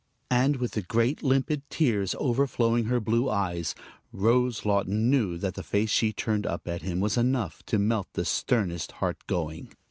And with the great limpid tears overflowing her blue eyes, Rose Laughton knew that the face she turned up at him was enough to melt the sternest heart going.